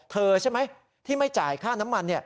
เธอใช่ไหมที่ไม่จ่ายค่าน้ำมัน